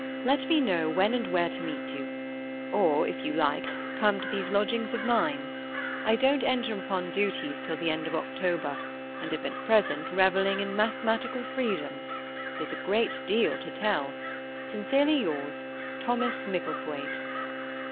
Let me know when and where to meet you; or if you like, come to these lodgings of mine. I don't enter upon duties till end of October, and am at present revelling in mathematical freedom. There's a great deal to tell.—Sincerely yours, THOMAS MICKLETHWAITE."